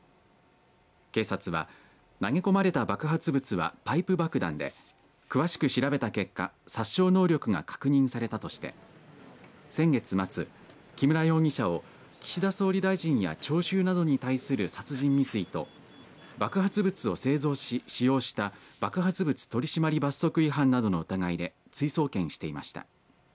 警察は投げ込まれた爆発物はパイプ爆弾で詳しく調べた結果殺傷能力が確認されたとして先月末木村容疑者を岸田総理大臣や聴衆などに対する殺人未遂と爆発物を製造し使用した爆発物取締罰則違反などの疑いで追送検していました。